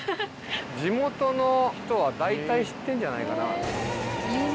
地元の人は大体知ってんじゃないかな？